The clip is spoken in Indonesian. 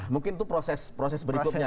mungkin itu proses berikutnya